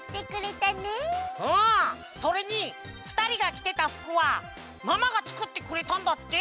それにふたりがきてたふくはママがつくってくれたんだって！